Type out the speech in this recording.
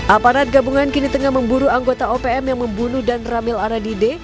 aparat gabungan kini tengah memburu anggota opm yang membunuh dan ramil aradide